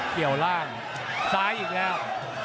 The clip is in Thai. เกี่ยวล่างซ้ายอีกแล้ว